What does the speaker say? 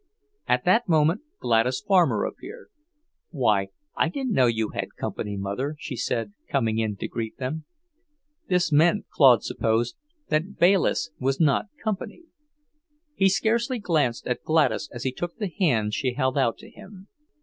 At that moment Gladys Farmer appeared. "Why, I didn't know you had company, Mother," she said, coming in to greet them. This meant, Claude supposed, that Bayliss was not company. He scarcely glanced at Gladys as he took the hand she held out to him.